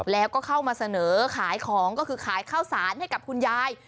แล้วก็เข้ามาเสนอขายของก็คือขายข้าวสารให้กับคุณยาย